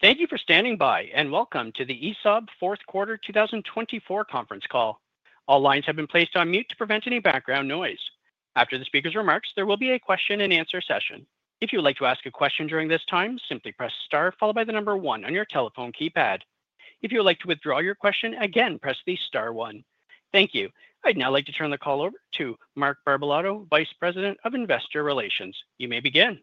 Thank you for standing by, and welcome to the ESAB fourth quarter 2024 conference call. All lines have been placed on mute to prevent any background noise. After the speaker's remarks, there will be a question and answer session. If you would like to ask a question during this time, simply press star followed by the number one on your telephone keypad. If you would like to withdraw your question, again, press the star one. Thank you. I'd now like to turn the call over to Mark Barbalato, Vice President of Investor Relations. You may begin.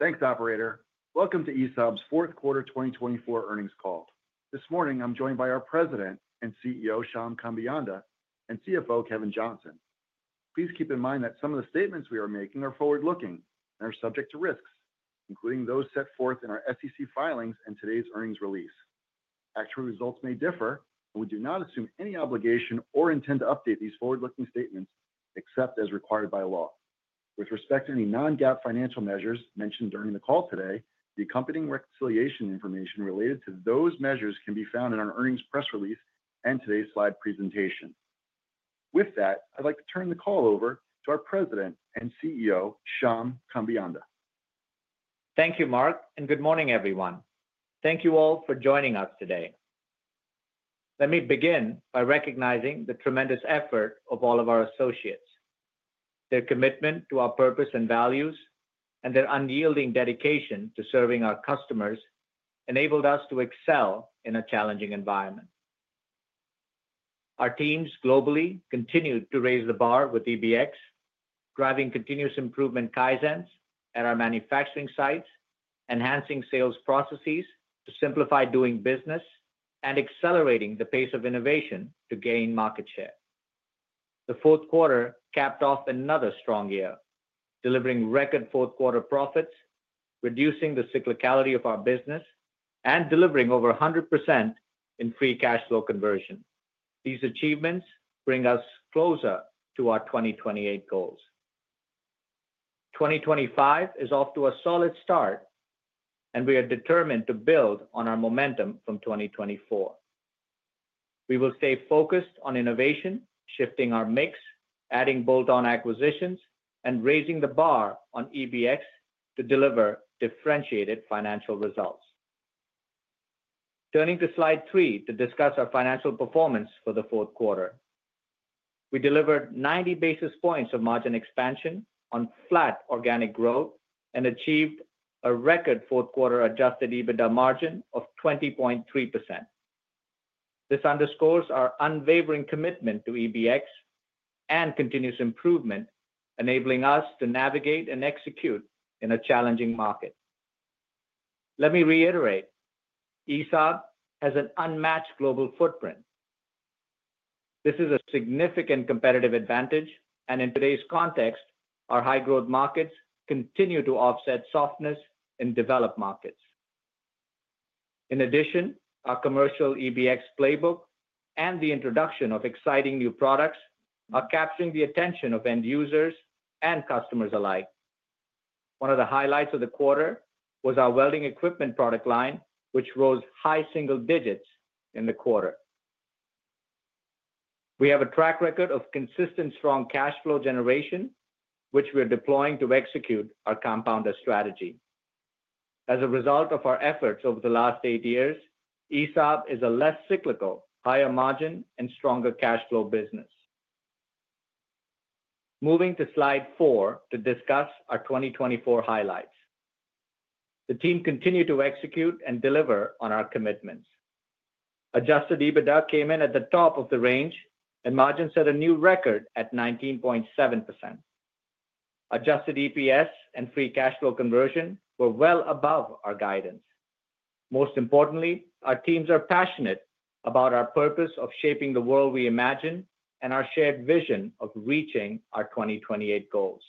Thanks, Operator. Welcome to ESAB's fourth quarter 2024 earnings call. This morning, I'm joined by our President and CEO, Shyam Kambeyanda, and CFO, Kevin Johnson. Please keep in mind that some of the statements we are making are forward-looking and are subject to risks, including those set forth in our SEC filings and today's earnings release. Actual results may differ, and we do not assume any obligation or intend to update these forward-looking statements except as required by law. With respect to any non-GAAP financial measures mentioned during the call today, the accompanying reconciliation information related to those measures can be found in our earnings press release and today's slide presentation. With that, I'd like to turn the call over to our President and CEO, Shyam Kambeyanda. Thank you, Mark, and good morning, everyone. Thank you all for joining us today. Let me begin by recognizing the tremendous effort of all of our associates. Their commitment to our purpose and values and their unyielding dedication to serving our customers enabled us to excel in a challenging environment. Our teams globally continue to raise the bar with EBX, driving continuous improvement kaizens at our manufacturing sites, enhancing sales processes to simplify doing business, and accelerating the pace of innovation to gain market share. The fourth quarter capped off another strong year, delivering record fourth quarter profits, reducing the cyclicality of our business, and delivering over 100% in free cash flow conversion. These achievements bring us closer to our 2028 goals. 2025 is off to a solid start, and we are determined to build on our momentum from 2024. We will stay focused on innovation, shifting our mix, adding bolt-on acquisitions, and raising the bar on EBX to deliver differentiated financial results. Turning to slide three to discuss our financial performance for the fourth quarter, we delivered 90 basis points of margin expansion on flat organic growth and achieved a record fourth quarter adjusted EBITDA margin of 20.3%. This underscores our unwavering commitment to EBX and continuous improvement, enabling us to navigate and execute in a challenging market. Let me reiterate, ESAB has an unmatched global footprint. This is a significant competitive advantage, and in today's context, our high-growth markets continue to offset softness in developed markets. In addition, our commercial EBX playbook and the introduction of exciting new products are capturing the attention of end users and customers alike. One of the highlights of the quarter was our welding equipment product line, which rose high single digits in the quarter. We have a track record of consistent strong cash flow generation, which we are deploying to execute our compounder strategy. As a result of our efforts over the last eight years, ESAB is a less cyclical, higher margin, and stronger cash flow business. Moving to slide four to discuss our 2024 highlights. The team continued to execute and deliver on our commitments. Adjusted EBITDA came in at the top of the range, and margin set a new record at 19.7%. Adjusted EPS and free cash flow conversion were well above our guidance. Most importantly, our teams are passionate about our purpose of shaping the world we imagine and our shared vision of reaching our 2028 goals.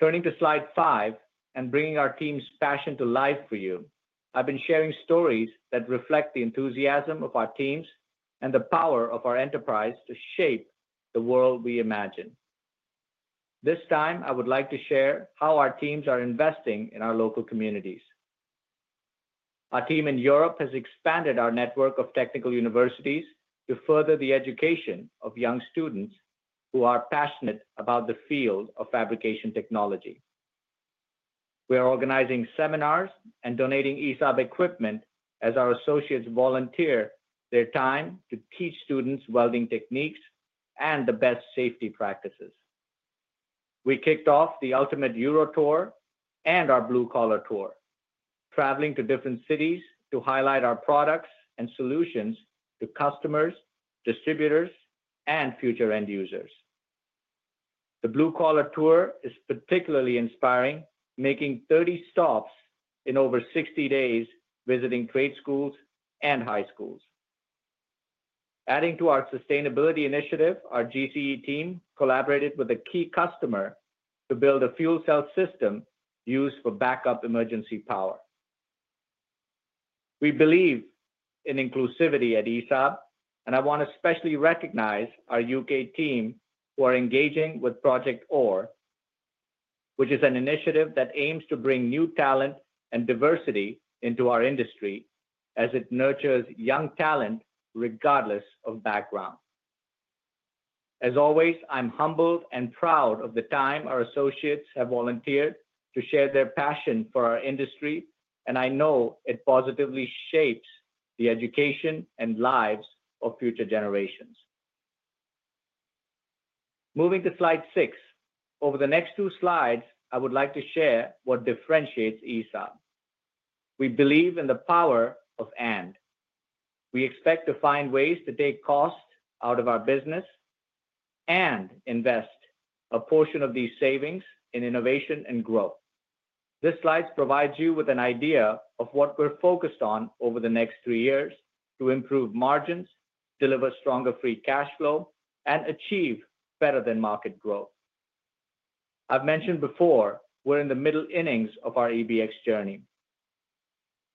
Turning to slide five and bringing our team's passion to life for you, I've been sharing stories that reflect the enthusiasm of our teams and the power of our enterprise to shape the world we imagine. This time, I would like to share how our teams are investing in our local communities. Our team in Europe has expanded our network of technical universities to further the education of young students who are passionate about the field of fabrication technology. We are organizing seminars and donating ESAB equipment as our associates volunteer their time to teach students welding techniques and the best safety practices. We kicked off the Ultimate Euro Tour and our Blue Collar Tour, traveling to different cities to highlight our products and solutions to customers, distributors, and future end users. The Blue Collar Tour is particularly inspiring, making 30 stops in over 60 days visiting trade schools and high schools. Adding to our sustainability initiative, our GCE team collaborated with a key customer to build a fuel cell system used for backup emergency power. We believe in inclusivity at ESAB, and I want to especially recognize our U.K. team who are engaging Project Ore, which is an initiative that aims to bring new talent and diversity into our industry as it nurtures young talent regardless of background. As always, I'm humbled and proud of the time our associates have volunteered to share their passion for our industry, and I know it positively shapes the education and lives of future generations. Moving to slide six, over the next two slides, I would like to share what differentiates ESAB. We believe in the power of And. We expect to find ways to take cost out of our business and invest a portion of these savings in innovation and growth. This slide provides you with an idea of what we're focused on over the next three years to improve margins, deliver stronger free cash flow, and achieve better-than-market growth. I've mentioned before, we're in the middle innings of our EBX journey.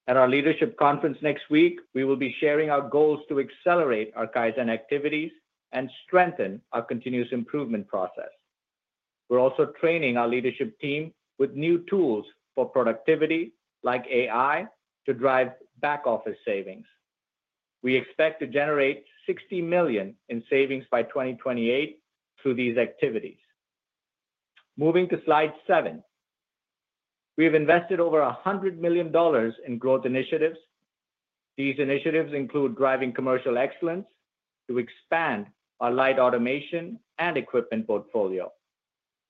At our leadership conference next week, we will be sharing our goals to accelerate our kaizen activities and strengthen our continuous improvement process. We're also training our leadership team with new tools for productivity, like AI, to drive back office savings. We expect to generate $60 million in savings by 2028 through these activities. Moving to slide seven, we have invested over $100 million in growth initiatives. These initiatives include driving commercial excellence to expand our light automation and equipment portfolio,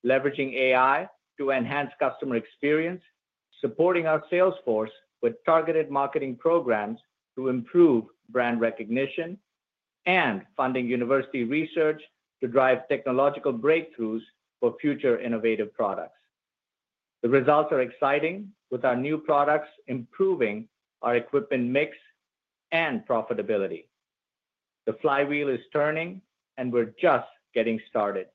leveraging AI to enhance customer experience, supporting our salesforce with targeted marketing programs to improve brand recognition, and funding university research to drive technological breakthroughs for future innovative products. The results are exciting, with our new products improving our equipment mix and profitability. The flywheel is turning, and we're just getting started.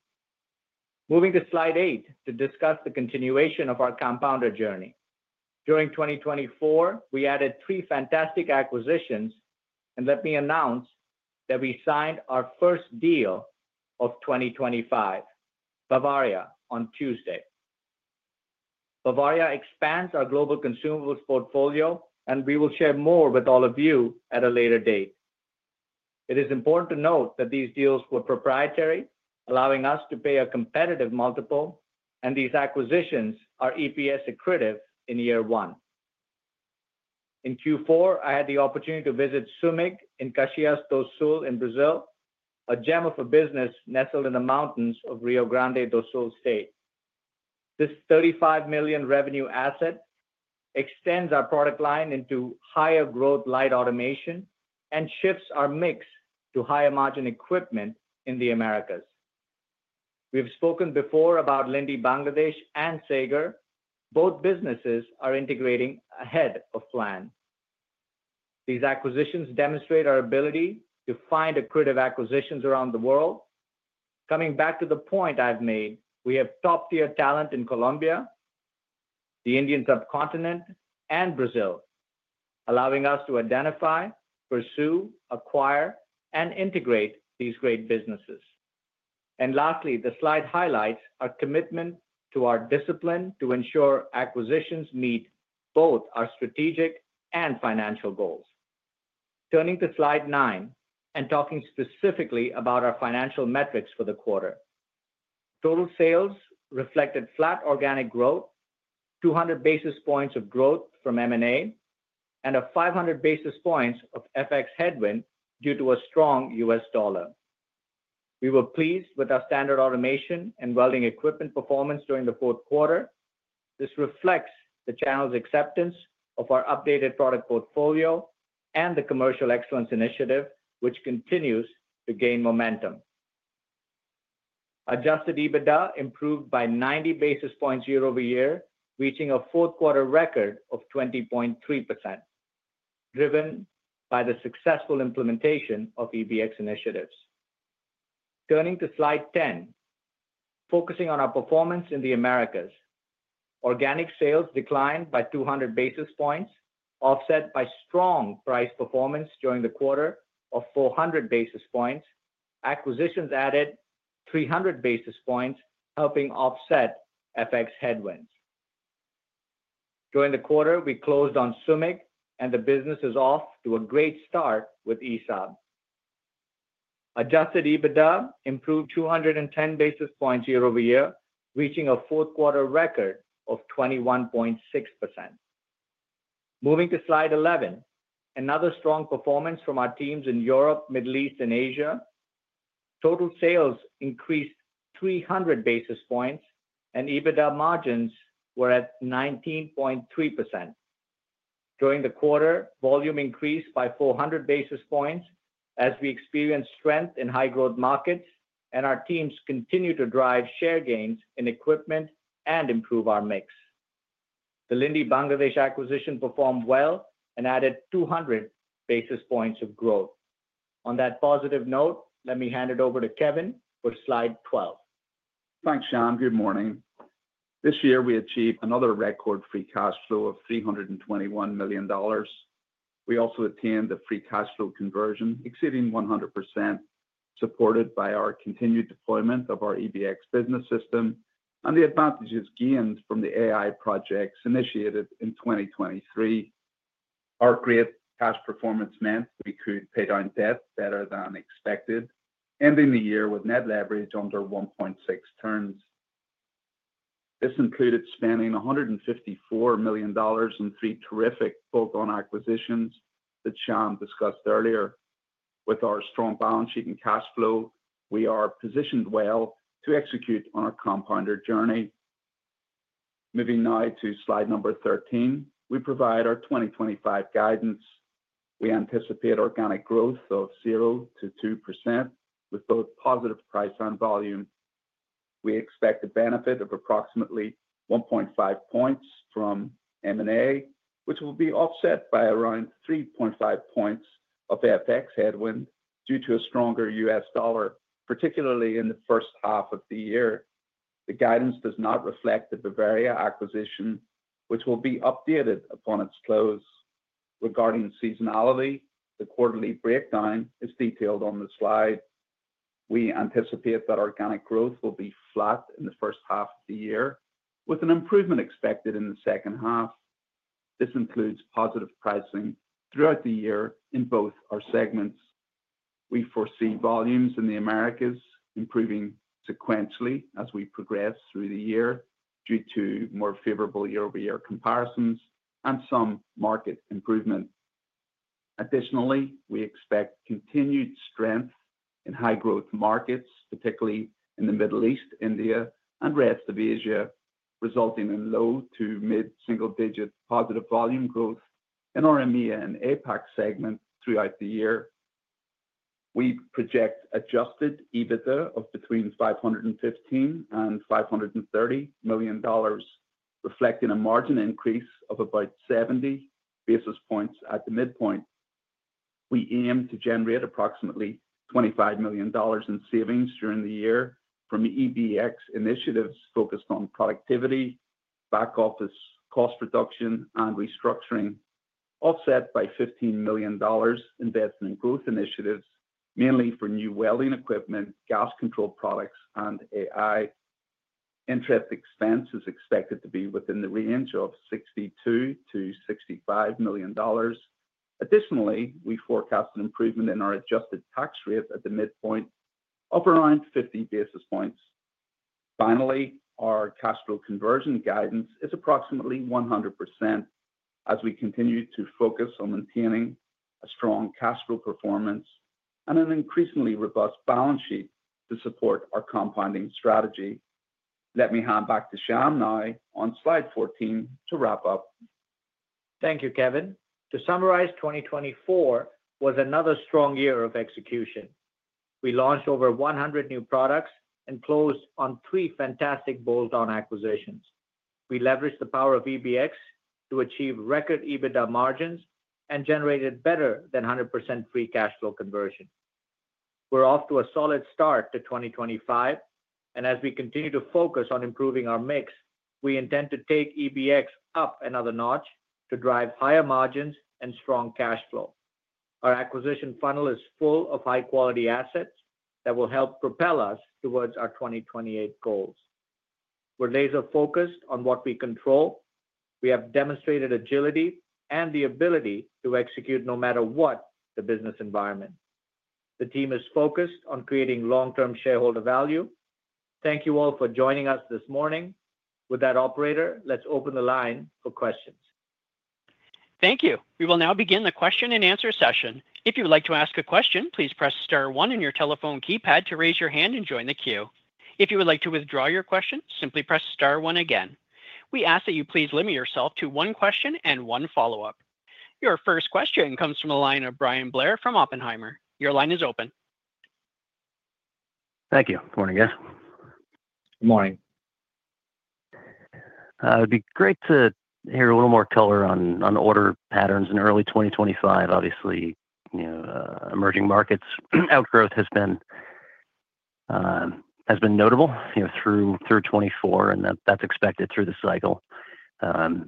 Moving to slide eight to discuss the continuation of our compounder journey. During 2024, we added three fantastic acquisitions, and let me announce that we signed our first deal of 2025, Bavaria, on Tuesday. Bavaria expands our global consumables portfolio, and we will share more with all of you at a later date. It is important to note that these deals were proprietary, allowing us to pay a competitive multiple, and these acquisitions are EPS accretive in year one. In Q4, I had the opportunity to visit Sumig in Caxias do Sul in Brazil, a gem of a business nestled in the mountains of Rio Grande do Sul state. This $35 million revenue asset extends our product line into higher-growth Light Automation and shifts our mix to higher-margin equipment in the Americas. We have spoken before about Linde Bangladesh and Sager. Both businesses are integrating ahead of plan. These acquisitions demonstrate our ability to find accretive acquisitions around the world. Coming back to the point I've made, we have top-tier talent in Colombia, the Indian subcontinent, and Brazil, allowing us to identify, pursue, acquire, and integrate these great businesses, and lastly, the slide highlights our commitment to our discipline to ensure acquisitions meet both our strategic and financial goals. Turning to slide nine and talking specifically about our financial metrics for the quarter, total sales reflected flat organic growth, 200 basis points of growth from M&A, and a 500 basis points of FX headwind due to a strong U.S. dollar. We were pleased with our standard automation and welding equipment performance during the fourth quarter. This reflects the channel's acceptance of our updated product portfolio and the commercial excellence initiative, which continues to gain momentum. Adjusted EBITDA improved by 90 basis points year-over-year, reaching a fourth quarter record of 20.3%, driven by the successful implementation of EBX initiatives. Turning to slide 10, focusing on our performance in the Americas, organic sales declined by 200 basis points, offset by strong price performance during the quarter of 400 basis points. Acquisitions added 300 basis points, helping offset FX headwinds. During the quarter, we closed on Sumig, and the business is off to a great start with ESAB. Adjusted EBITDA improved 210 basis points year-over-year, reaching a fourth quarter record of 21.6%. Moving to slide 11, another strong performance from our teams in Europe, Middle East, and Asia. Total sales increased 300 basis points, and EBITDA margins were at 19.3%. During the quarter, volume increased by 400 basis points as we experienced strength in high-growth markets, and our teams continue to drive share gains in equipment and improve our mix. The Linde Bangladesh acquisition performed well and added 200 basis points of growth. On that positive note, let me hand it over to Kevin for slide 12. Thanks, Shyam. Good morning. This year, we achieved another record free cash flow of $321 million. We also attained the free cash flow conversion exceeding 100%, supported by our continued deployment of our EBX business system and the advantages gained from the AI projects initiated in 2023. Our great cash performance meant we could pay down debt better than expected, ending the year with net leverage under 1.6 turns. This included spending $154 million in three terrific bolt-on acquisitions that Shyam discussed earlier. With our strong balance sheet and cash flow, we are positioned well to execute on our compounder journey. Moving now to slide number 13, we provide our 2025 guidance. We anticipate organic growth of 0-2% with both positive price and volume. We expect a benefit of approximately 1.5 points from M&A, which will be offset by around 3.5 points of FX headwind due to a stronger U.S. dollar, particularly in the first half of the year. The guidance does not reflect the Bavaria acquisition, which will be updated upon its close. Regarding seasonality, the quarterly breakdown is detailed on the slide. We anticipate that organic growth will be flat in the first half of the year, with an improvement expected in the second half. This includes positive pricing throughout the year in both our segments. We foresee volumes in the Americas improving sequentially as we progress through the year due to more favorable year-over-year comparisons and some market improvement. Additionally, we expect continued strength in high-growth markets, particularly in the Middle East, India, and rest of Asia, resulting in low to mid-single-digit positive volume growth in our EMEA and APAC segment throughout the year. We project adjusted EBITDA of between $515 million-$530 million, reflecting a margin increase of about 70 basis points at the midpoint. We aim to generate approximately $25 million in savings during the year from EBX initiatives focused on productivity, back office cost reduction, and restructuring, offset by $15 million in investment growth initiatives, mainly for new welding equipment, Gas Control products, and AI. Interest expense is expected to be within the range of $62 million-$65 million. Additionally, we forecast an improvement in our adjusted tax rate at the midpoint of around 50 basis points. Finally, our cash flow conversion guidance is approximately 100% as we continue to focus on maintaining a strong cash flow performance and an increasingly robust balance sheet to support our compounding strategy. Let me hand back to Shyam now on slide 14 to wrap up. Thank you, Kevin. To summarize, 2024 was another strong year of execution. We launched over 100 new products and closed on three fantastic bolt-on acquisitions. We leveraged the power of EBX to achieve record EBITDA margins and generated better than 100% free cash flow conversion. We're off to a solid start to 2025, and as we continue to focus on improving our mix, we intend to take EBX up another notch to drive higher margins and strong cash flow. Our acquisition funnel is full of high-quality assets that will help propel us towards our 2028 goals. We're laser-focused on what we control. We have demonstrated agility and the ability to execute no matter what the business environment. The team is focused on creating long-term shareholder value. Thank you all for joining us this morning. With that, operator, let's open the line for questions. Thank you. We will now begin the question and answer session. If you would like to ask a question, please press star one in your telephone keypad to raise your hand and join the queue. If you would like to withdraw your question, simply press star one again. We ask that you please limit yourself to one question and one follow-up. Your first question comes from the line of Bryan Blair from Oppenheimer. Your line is open. Thank you. Good morning, guys. Good morning. It'd be great to hear a little more color on order patterns in early 2025. Obviously, emerging markets' outgrowth has been notable through 2024, and that's expected through the cycle, and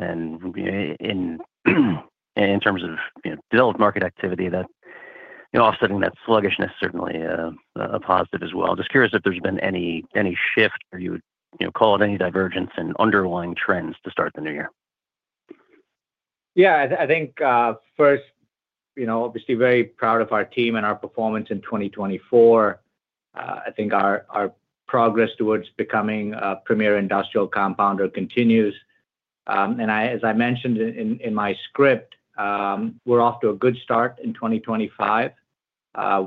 in terms of developed market activity, offsetting that sluggishness is certainly a positive as well. I'm just curious if there's been any shift, or you would call it any divergence in underlying trends to start the new year. Yeah, I think first, obviously, very proud of our team and our performance in 2024. I think our progress towards becoming a premier industrial compounder continues. And as I mentioned in my script, we're off to a good start in 2025.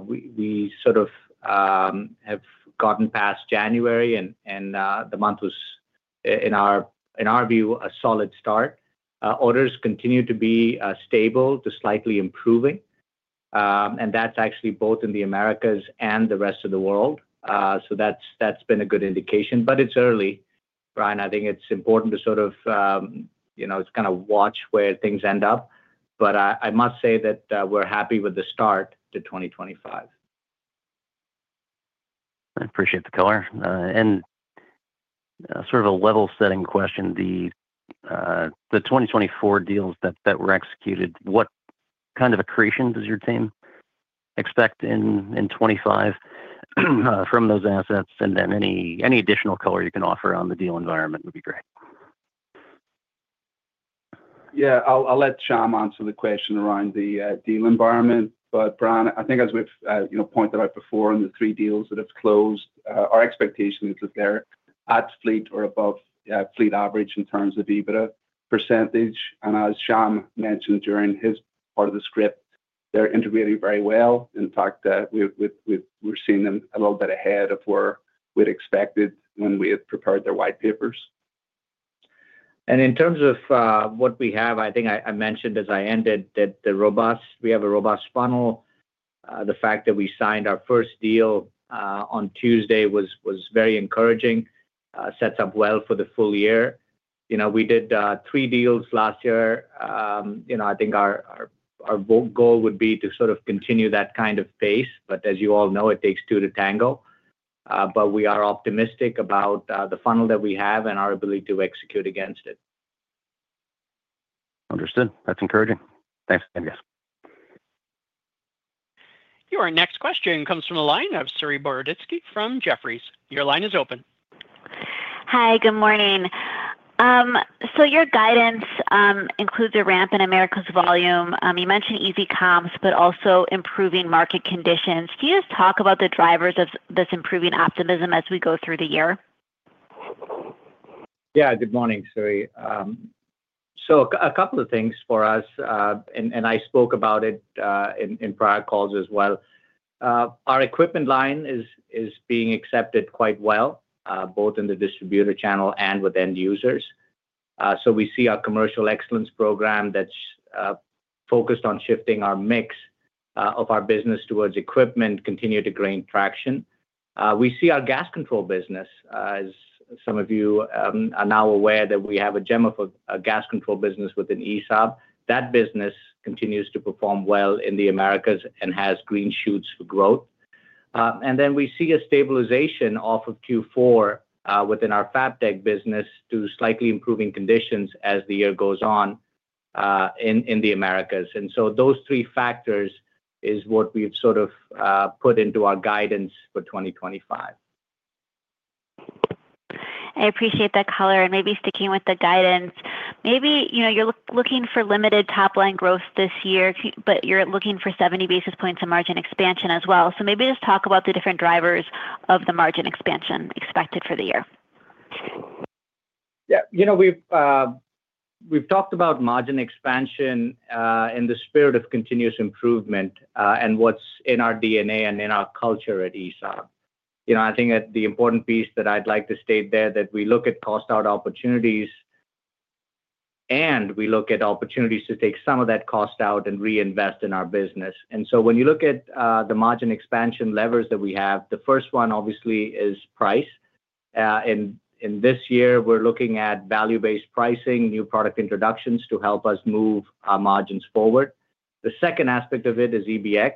We sort of have gotten past January, and the month was, in our view, a solid start. Orders continue to be stable to slightly improving, and that's actually both in the Americas and the rest of the world. So that's been a good indication, but it's early. Bryan, I think it's important to sort of kind of watch where things end up, but I must say that we're happy with the start to 2025. I appreciate the color. And sort of a level-setting question, the 2024 deals that were executed, what kind of accretion does your team expect in 2025 from those assets? And then any additional color you can offer on the deal environment would be great. Yeah, I'll let Shyam answer the question around the deal environment. But Bryan, I think, as we've pointed out before in the three deals that have closed, our expectation is that they're at fleet or above fleet average in terms of EBITDA percentage. And as Shyam mentioned during his part of the script, they're integrating very well. In fact, we're seeing them a little bit ahead of where we'd expected when we had prepared their white papers. And in terms of what we have, I think I mentioned as I ended that we have a robust funnel. The fact that we signed our first deal on Tuesday was very encouraging, sets up well for the full year. We did three deals last year. I think our goal would be to sort of continue that kind of pace, but as you all know, it takes two to tango. But we are optimistic about the funnel that we have and our ability to execute against it. Understood. That's encouraging. Thanks. Your next question comes from the line of Saree Boroditsky from Jefferies. Your line is open. Hi, good morning. So your guidance includes a ramp in Americas' volume. You mentioned ESAB consumables, but also improving market conditions. Can you just talk about the drivers of this improving optimism as we go through the year? Yeah, good morning, Saree. So a couple of things for us, and I spoke about it in prior calls as well. Our equipment line is being accepted quite well, both in the distributor channel and with end users. So we see our commercial excellence program that's focused on shifting our mix of our business towards equipment continue to gain traction. We see our Gas Control business, as some of you are now aware, that we have a gem of a Gas Control business within ESAB. That business continues to perform well in the Americas and has green shoots for growth. And then we see a stabilization off of Q4 within our Fab Tech business to slightly improving conditions as the year goes on in the Americas. And so those three factors are what we've sort of put into our guidance for 2025. I appreciate the color and maybe sticking with the guidance. Maybe you're looking for limited top-line growth this year, but you're looking for 70 basis points of margin expansion as well. So maybe just talk about the different drivers of the margin expansion expected for the year. Yeah, we've talked about margin expansion in the spirit of continuous improvement and what's in our DNA and in our culture at ESAB. I think the important piece that I'd like to state there is that we look at cost-out opportunities, and we look at opportunities to take some of that cost out and reinvest in our business. And so when you look at the margin expansion levers that we have, the first one, obviously, is price. In this year, we're looking at value-based pricing, new product introductions to help us move our margins forward. The second aspect of it is EBX,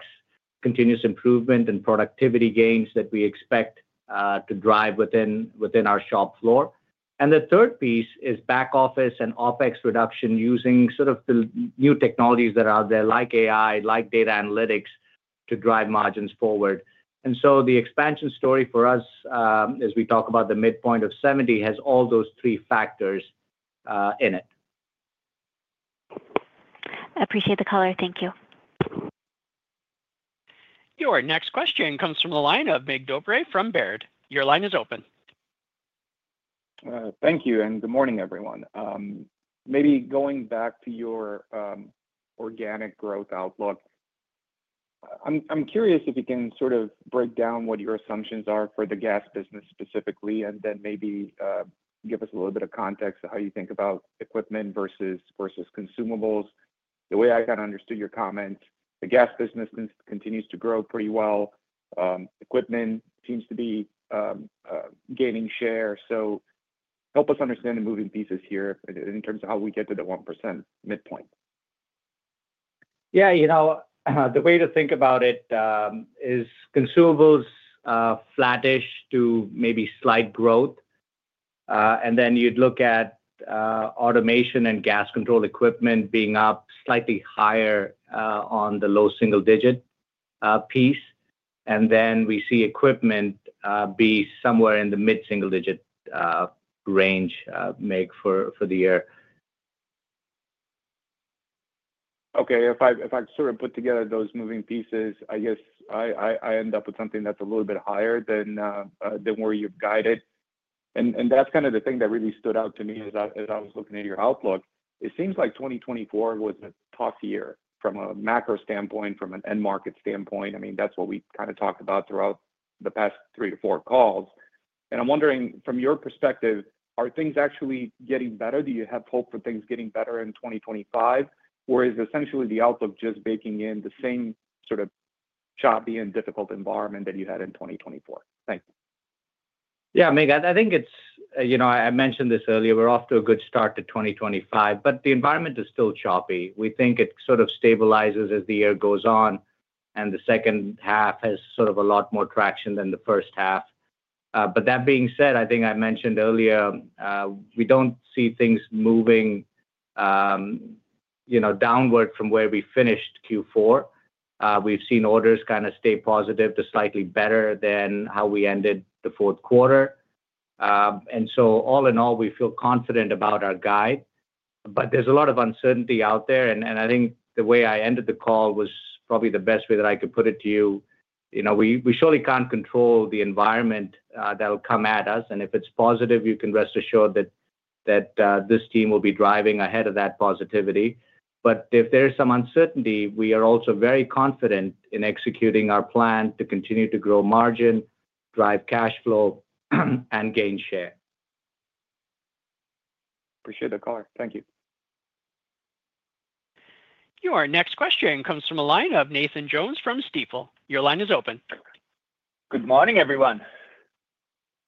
continuous improvement and productivity gains that we expect to drive within our shop floor. And the third piece is back office and OpEx reduction using sort of the new technologies that are out there, like AI, like data analytics, to drive margins forward. The expansion story for us, as we talk about the midpoint of 70, has all those three factors in it. I appreciate the color. Thank you. Your next question comes from the line of Mircea Dobre from Baird. Your line is open. Thank you, and good morning, everyone. Maybe going back to your organic growth outlook, I'm curious if you can sort of break down what your assumptions are for the gas business specifically, and then maybe give us a little bit of context of how you think about equipment versus consumables. The way I kind of understood your comment, the gas business continues to grow pretty well. Equipment seems to be gaining share. So help us understand the moving pieces here in terms of how we get to the 1% midpoint. Yeah, the way to think about it is consumables flattish to maybe slight growth. And then you'd look at automation and Gas Control equipment being up slightly higher on the low single-digit piece. And then we see equipment be somewhere in the mid-single-digit range, Mircea, for the year. Okay, if I sort of put together those moving pieces, I guess I end up with something that's a little bit higher than where you've guided, and that's kind of the thing that really stood out to me as I was looking at your outlook. It seems like 2024 was a tough year from a macro standpoint, from an end market standpoint. I mean, that's what we kind of talked about throughout the past three to four calls, and I'm wondering, from your perspective, are things actually getting better? Do you have hope for things getting better in 2025, or is essentially the outlook just baking in the same sort of choppy and difficult environment that you had in 2024? Thank you. Yeah, Mircea, I think it's. I mentioned this earlier. We're off to a good start to 2025, but the environment is still choppy. We think it sort of stabilizes as the year goes on, and the second half has sort of a lot more traction than the first half. But that being said, I think I mentioned earlier, we don't see things moving downward from where we finished Q4. We've seen orders kind of stay positive to slightly better than how we ended the fourth quarter. And so all in all, we feel confident about our guide, but there's a lot of uncertainty out there. And I think the way I ended the call was probably the best way that I could put it to you. We surely can't control the environment that will come at us. And if it's positive, you can rest assured that this team will be driving ahead of that positivity. But if there's some uncertainty, we are also very confident in executing our plan to continue to grow margin, drive cash flow, and gain share. Appreciate the color. Thank you. Your next question comes from a line of Nathan Jones from Stifel. Your line is open. Good morning, everyone.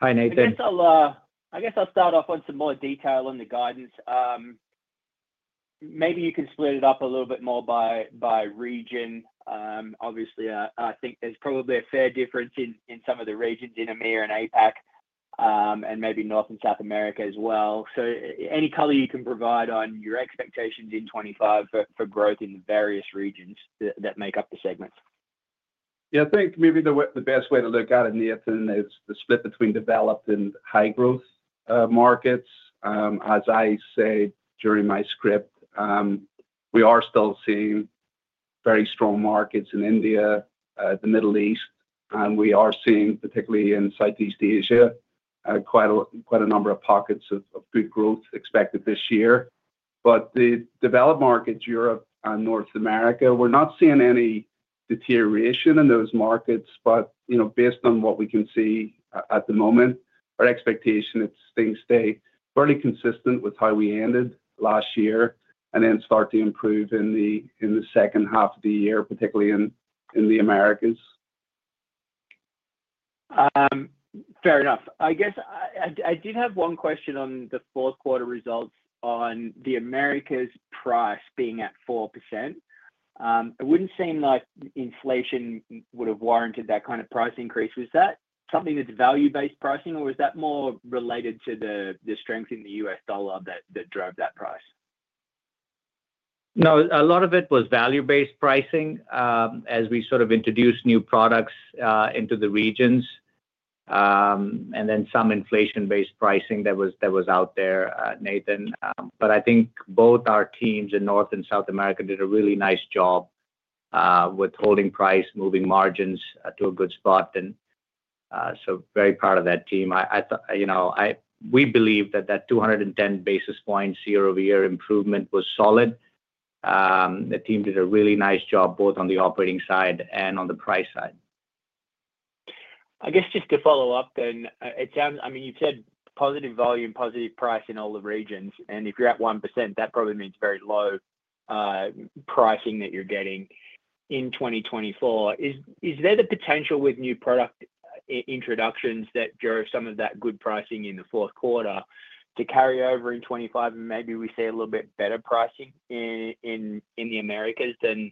Hi, Nathan. I guess I'll start off with some more detail on the guidance. Maybe you can split it up a little bit more by region. Obviously, I think there's probably a fair difference in some of the regions in EMEA and APAC, and maybe North and South America as well. So any color you can provide on your expectations in 2025 for growth in the various regions that make up the segments? Yeah, I think maybe the best way to look at it, Nathan, is the split between developed and high-growth markets. As I said during my script, we are still seeing very strong markets in India, the Middle East, and we are seeing, particularly in Southeast Asia, quite a number of pockets of good growth expected this year. But the developed markets, Europe and North America, we're not seeing any deterioration in those markets. But based on what we can see at the moment, our expectation is things stay fairly consistent with how we ended last year and then start to improve in the second half of the year, particularly in the Americas. Fair enough. I guess I did have one question on the fourth quarter results on the Americas' price being at 4%. It wouldn't seem like inflation would have warranted that kind of price increase. Was that something that's value-based pricing, or was that more related to the strength in the U.S. dollar that drove that price? No, a lot of it was value-based pricing as we sort of introduced new products into the regions, and then some inflation-based pricing that was out there, Nathan. But I think both our teams in North and South America did a really nice job with holding price, moving margins to a good spot. And so very proud of that team. We believe that that 210 basis points year-over-year improvement was solid. The team did a really nice job both on the operating side and on the price side. I guess just to follow up then, I mean, you've said positive volume, positive price in all the regions. And if you're at 1%, that probably means very low pricing that you're getting in 2024. Is there the potential with new product introductions that drove some of that good pricing in the fourth quarter to carry over in 2025, and maybe we see a little bit better pricing in the Americas than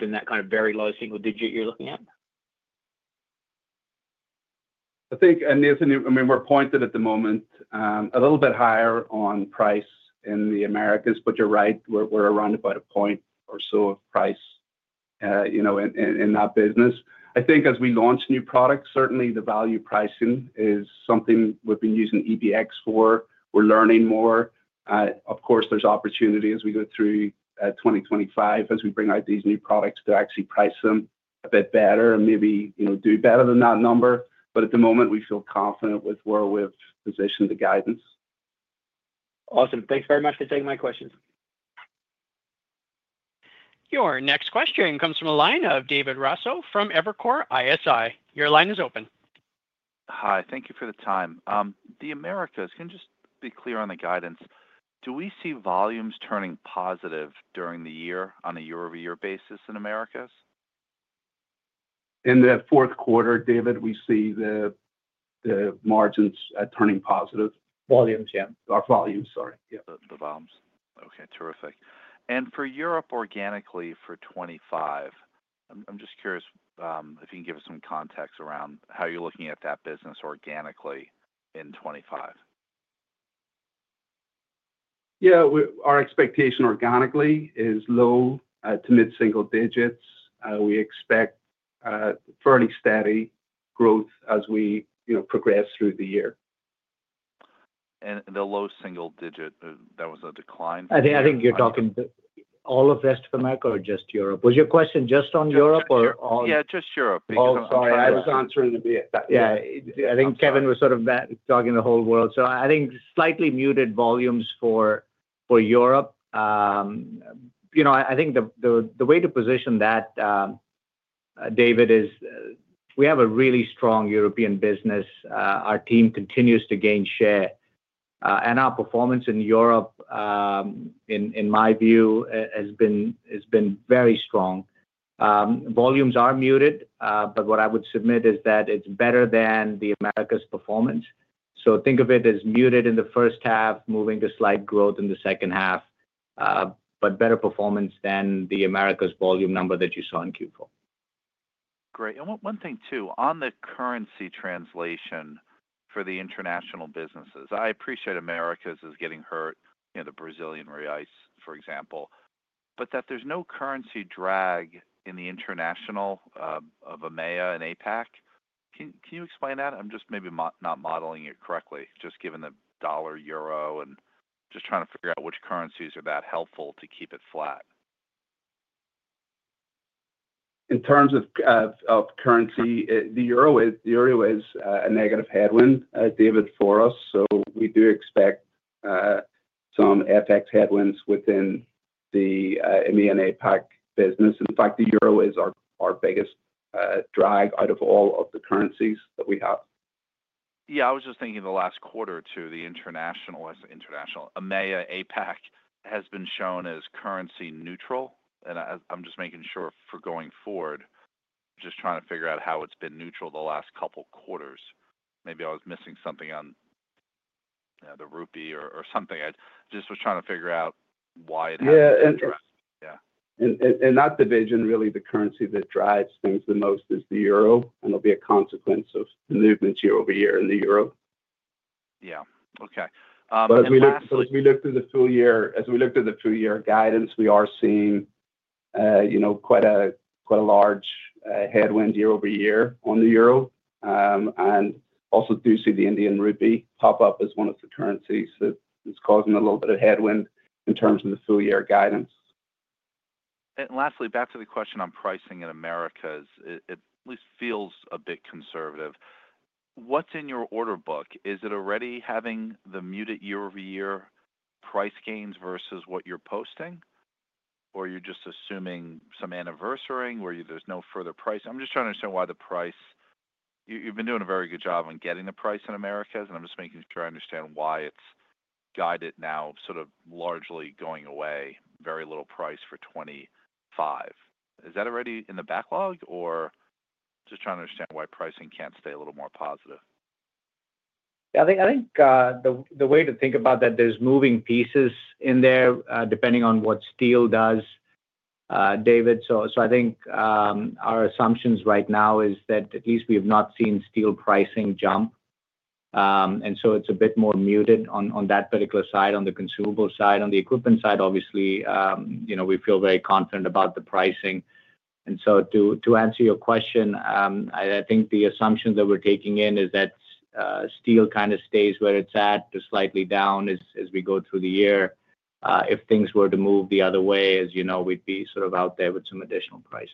that kind of very low single digit you're looking at? I think, and Nathan, I mean, we're pointed at the moment a little bit higher on price in the Americas, but you're right. We're around about a point or so of price in that business. I think as we launch new products, certainly the value pricing is something we've been using EBX for. We're learning more. Of course, there's opportunity as we go through 2025, as we bring out these new products to actually price them a bit better and maybe do better than that number. But at the moment, we feel confident with where we've positioned the guidance. Awesome. Thanks very much for taking my questions. Your next question comes from a line of David Raso from Evercore ISI. Your line is open. Hi, thank you for the time. The Americas, can you just be clear on the guidance? Do we see volumes turning positive during the year on a year-over-year basis in Americas? In the fourth quarter, David, we see the margins turning positive. Volumes, yeah. Our volumes, sorry. The volumes. Okay, terrific. And for Europe organically for 2025, I'm just curious if you can give us some context around how you're looking at that business organically in 2025? Yeah, our expectation organically is low- to mid-single digits. We expect fairly steady growth as we progress through the year. The low-single digit, that was a decline for. I think you're talking all of the Americas or just Europe? Was your question just on Europe or all? Yeah, just Europe. Oh, sorry. I was answering a bit. Yeah, I think Kevin was sort of talking the whole world. So I think slightly muted volumes for Europe. I think the way to position that, David, is we have a really strong European business. Our team continues to gain share. And our performance in Europe, in my view, has been very strong. Volumes are muted, but what I would submit is that it's better than the Americas' performance. So think of it as muted in the first half, moving to slight growth in the second half, but better performance than the Americas' volume number that you saw in Q4. Great. And one thing too, on the currency translation for the international businesses, I appreciate Americas is getting hurt, the Brazilian reais, for example, but that there's no currency drag in the international of EMEA and APAC. Can you explain that? I'm just maybe not modeling it correctly, just given the dollar, euro, and just trying to figure out which currencies are that helpful to keep it flat. In terms of currency, the euro is a negative headwind, David, for us. So we do expect some FX headwinds within the EMEA and APAC business. In fact, the euro is our biggest drag out of all of the currencies that we have. Yeah, I was just thinking the last quarter or two, the international EMEA, APAC has been shown as currency neutral. And I'm just making sure for going forward, just trying to figure out how it's been neutral the last couple of quarters. Maybe I was missing something on the rupee or something. I just was trying to figure out why it happened. Yeah, and that division, really, the currency that drives things the most is the euro, and it'll be a consequence of the movements year-over-year in the euro. Yeah. Okay. But as we look through the full year, as we look through the full year guidance, we are seeing quite a large headwind year-over-year on the euro. And also do see the Indian rupee pop up as one of the currencies that is causing a little bit of headwind in terms of the full year guidance. Lastly, back to the question on pricing in Americas, it at least feels a bit conservative. What's in your order book? Is it already having the muted year-over-year price gains versus what you're posting, or you're just assuming some anniversary where there's no further price? I'm just trying to understand why the price you've been doing a very good job on getting the price in Americas, and I'm just making sure I understand why it's guided now, sort of largely going away, very little price for 2025. Is that already in the backlog, or just trying to understand why pricing can't stay a little more positive? Yeah, I think the way to think about that, there's moving pieces in there depending on what steel does, David. So I think our assumptions right now is that at least we have not seen steel pricing jump. And so it's a bit more muted on that particular side, on the consumable side, on the equipment side. Obviously, we feel very confident about the pricing. And so to answer your question, I think the assumption that we're taking in is that steel kind of stays where it's at, slightly down as we go through the year. If things were to move the other way, as you know, we'd be sort of out there with some additional price.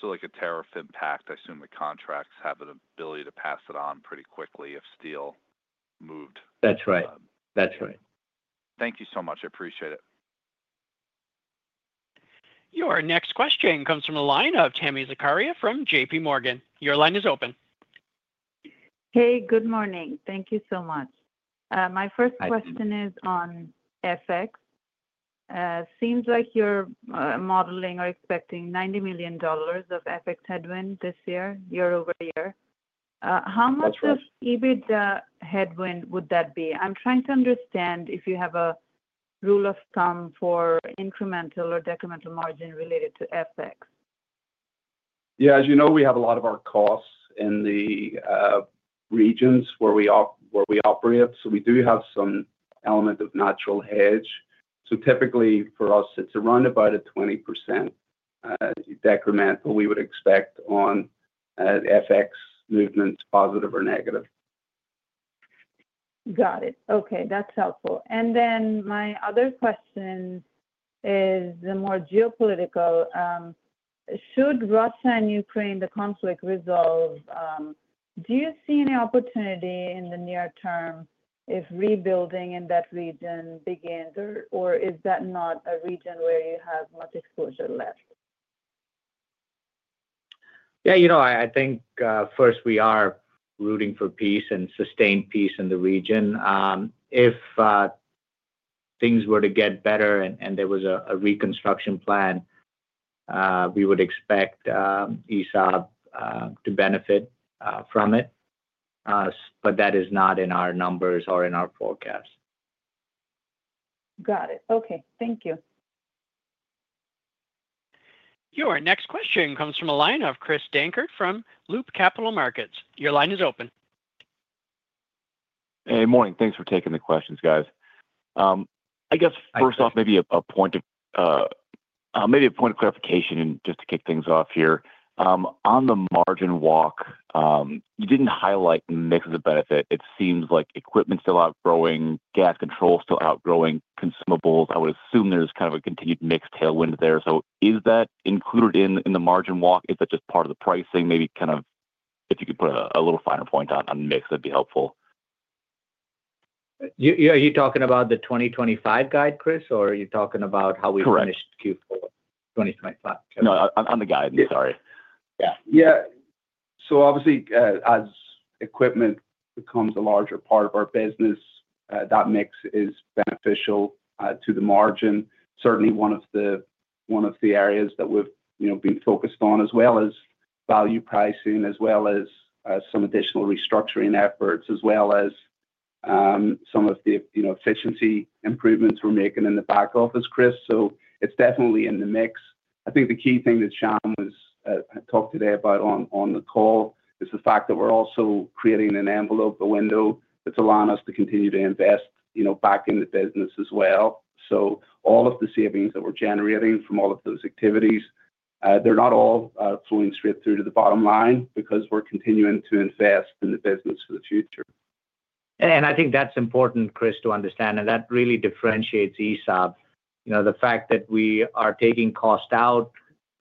So like a tariff impact, I assume the contracts have the ability to pass it on pretty quickly if steel moved. That's right. That's right. Thank you so much. I appreciate it. Your next question comes from a line of Tami Zakaria from JPMorgan. Your line is open. Hey, good morning. Thank you so much. My first question is on FX. Seems like you're modeling or expecting $90 million of FX headwind this year, year-over-year. How much of EBITDA headwind would that be? I'm trying to understand if you have a rule of thumb for incremental or decremental margin related to FX. Yeah, as you know, we have a lot of our costs in the regions where we operate. So we do have some element of natural hedge. So typically for us, it's around about a 20% decremental we would expect on FX movements, positive or negative. Got it. Okay. That's helpful. And then my other question is the more geopolitical. Should Russia and Ukraine, the conflict resolve, do you see any opportunity in the near term if rebuilding in that region begins, or is that not a region where you have much exposure left? Yeah, I think first we are rooting for peace and sustained peace in the region. If things were to get better and there was a reconstruction plan, we would expect ESAB to benefit from it. But that is not in our numbers or in our forecast. Got it. Okay. Thank you. Your next question comes from a line of Chris Dankert from Loop Capital Markets. Your line is open. Hey, morning. Thanks for taking the questions, guys. I guess first off, maybe a point of clarification and just to kick things off here. On the margin walk, you didn't highlight mix of benefit. It seems like equipment's still outgrowing, Gas Control's still outgrowing, consumables. I would assume there's kind of a continued mix tailwind there. So is that included in the margin walk? Is that just part of the pricing? Maybe kind of if you could put a little finer point on mix, that'd be helpful. Are you talking about the 2025 guidance, Chris, or are you talking about how we finished Q4 2025? No, on the guidance. Sorry. Yeah. So obviously, as equipment becomes a larger part of our business, that mix is beneficial to the margin. Certainly, one of the areas that we've been focused on as well is value pricing, as well as some additional restructuring efforts, as well as some of the efficiency improvements we're making in the back office, Chris. So it's definitely in the mix. I think the key thing that Shyam was talking today about on the call is the fact that we're also creating an envelope, a window that's allowing us to continue to invest back in the business as well. So all of the savings that we're generating from all of those activities, they're not all flowing straight through to the bottom line because we're continuing to invest in the business for the future. I think that's important, Chris, to understand. That really differentiates ESAB, the fact that we are taking cost out,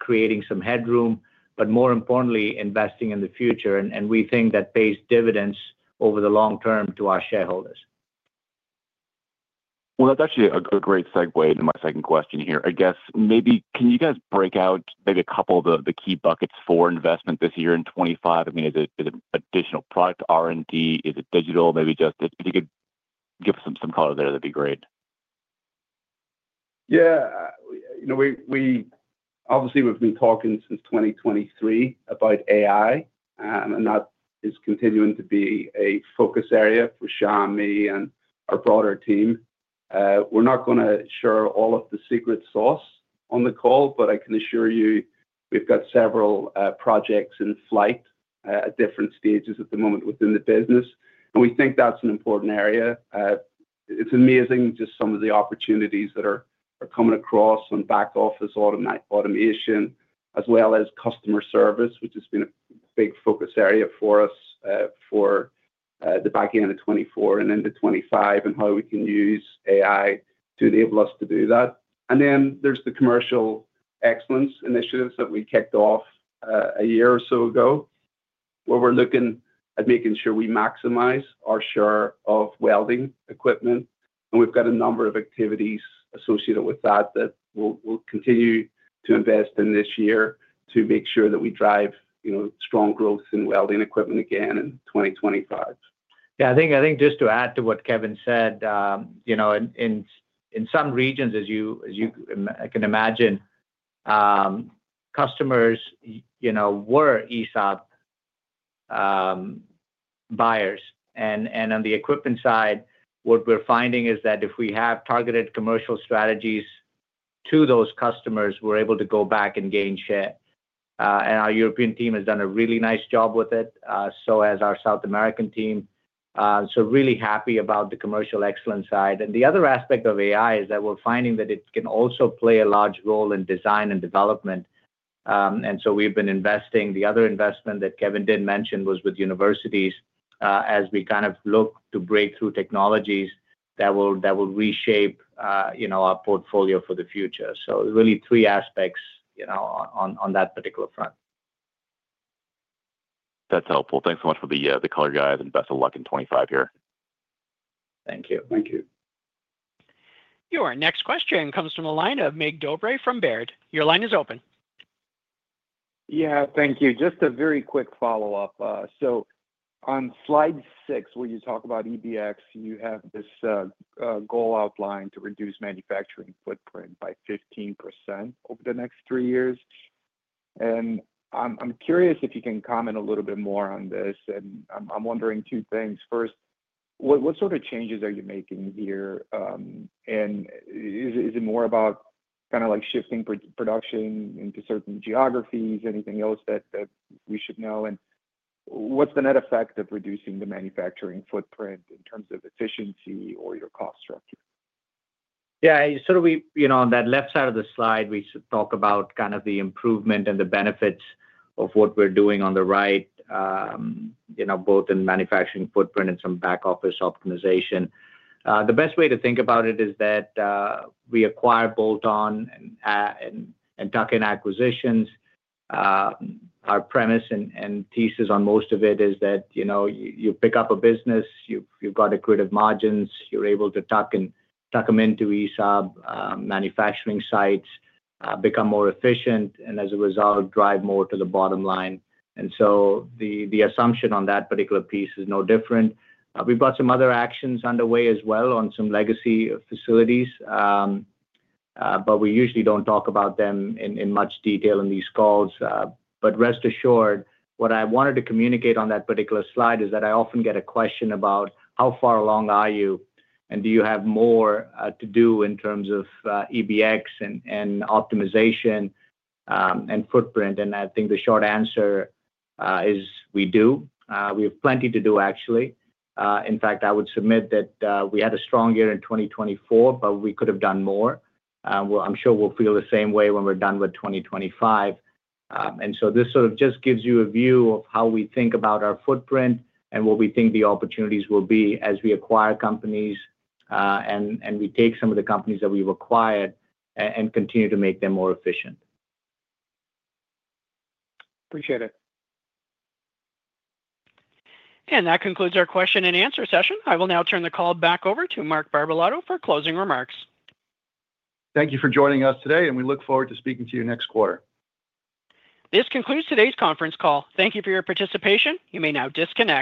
creating some headroom, but more importantly, investing in the future. We think that pays dividends over the long term to our shareholders. That's actually a great segue into my second question here. I guess maybe can you guys break out maybe a couple of the key buckets for investment this year in 2025? I mean, is it additional product R&D? Is it digital? Maybe just if you could give us some color there, that'd be great. Yeah. Obviously, we've been talking since 2023 about AI, and that is continuing to be a focus area for Shyam, me, and our broader team. We're not going to share all of the secret sauce on the call, but I can assure you we've got several projects in flight at different stages at the moment within the business. And we think that's an important area. It's amazing just some of the opportunities that are coming across on back office automation, as well as customer service, which has been a big focus area for us for the back end of 2024 and into 2025, and how we can use AI to enable us to do that. And then there's the commercial excellence initiatives that we kicked off a year or so ago, where we're looking at making sure we maximize our share of welding equipment. We've got a number of activities associated with that that we'll continue to invest in this year to make sure that we drive strong growth in welding equipment again in 2025. Yeah, I think just to add to what Kevin said, in some regions, as you can imagine, customers were ESAB buyers. And on the equipment side, what we're finding is that if we have targeted commercial strategies to those customers, we're able to go back and gain share. And our European team has done a really nice job with it, so has our South American team. So really happy about the commercial excellence side. And the other aspect of AI is that we're finding that it can also play a large role in design and development. And so we've been investing. The other investment that Kevin did mention was with universities as we kind of look to break through technologies that will reshape our portfolio for the future. So really three aspects on that particular front. That's helpful. Thanks so much for the color, guys, and best of luck in 2025 here. Thank you. Thank you. Your next question comes from a line of Mircea Dobre from Baird. Your line is open. Yeah, thank you. Just a very quick follow-up. So on slide six, where you talk about EBITDA, you have this goal outline to reduce manufacturing footprint by 15% over the next three years. And I'm curious if you can comment a little bit more on this. And I'm wondering two things. First, what sort of changes are you making here? And is it more about kind of like shifting production into certain geographies, anything else that we should know? And what's the net effect of reducing the manufacturing footprint in terms of efficiency or your cost structure? Yeah. So on that left side of the slide, we should talk about kind of the improvement and the benefits of what we're doing on the right, both in manufacturing footprint and some back office optimization. The best way to think about it is that we acquire bolt-on and tuck-in acquisitions. Our premise and thesis on most of it is that you pick up a business, you've got accretive margins, you're able to tuck them into ESAB manufacturing sites, become more efficient, and as a result, drive more to the bottom line. And so the assumption on that particular piece is no different. We've got some other actions underway as well on some legacy facilities, but we usually don't talk about them in much detail in these calls. But rest assured, what I wanted to communicate on that particular slide is that I often get a question about how far along are you, and do you have more to do in terms of EBITDA and optimization and footprint? And I think the short answer is we do. We have plenty to do, actually. In fact, I would submit that we had a strong year in 2024, but we could have done more. I'm sure we'll feel the same way when we're done with 2025. And so this sort of just gives you a view of how we think about our footprint and what we think the opportunities will be as we acquire companies and retake some of the companies that we've acquired and continue to make them more efficient. Appreciate it. That concludes our question and answer session. I will now turn the call back over to Mark Barbalato for closing remarks. Thank you for joining us today, and we look forward to speaking to you next quarter. This concludes today's conference call. Thank you for your participation. You may now disconnect.